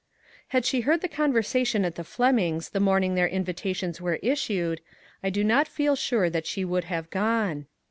Had she heard the conversation at the Flemings the morning their invitations were issued, I do not feel sure that she would have gone.